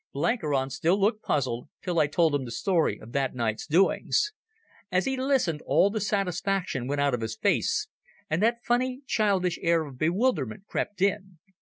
Blenkiron still looked puzzled, till I told him the story of that night's doings. As he listened, all the satisfaction went out of his face, and that funny, childish air of bewilderment crept in.